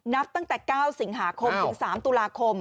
นับตั้งแต่๙สิงหาคมถึง๓ตุลาคม